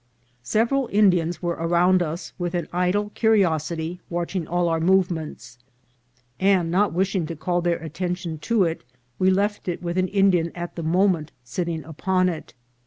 Several Indians were around us, with an idle curiosity watching all our movements ; and, not wish ing to call their attention to it, we left it with an Indian at the moment sitting upon it.